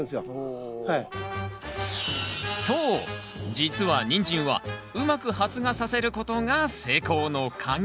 実はニンジンはうまく発芽させることが成功のカギ。